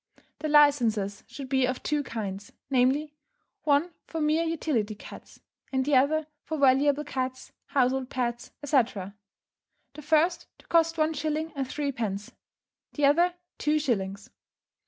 The licences should be of two kinds, namely: one for mere utility cats, and the other for valuable cats, household pets, etc. The first to cost one shilling and threepence, the other two shillings.